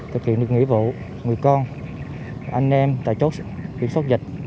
thực hiện được nghĩa vụ người con anh em tại chốt kiểm soát dịch